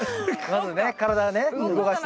まずね体ね動かして。